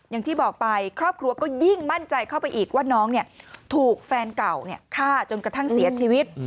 อย่างที่บอกไปครอบครัวก็ยิ่งมั่นใจเข้าไปอีกว่าน้องถูกแฟนเก่าฆ่าจนกระทั่งเสียชีวิต